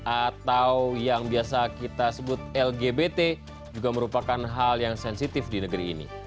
atau yang biasa kita sebut lgbt juga merupakan hal yang sensitif di negeri ini